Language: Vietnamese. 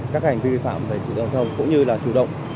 các hành vi vi phạm về dịch vụ tội phạm cũng như là chủ động